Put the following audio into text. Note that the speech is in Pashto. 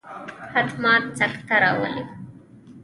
حتما سکته راولي.